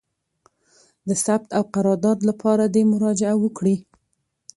د ثبت او قرارداد لپاره دي مراجعه وکړي: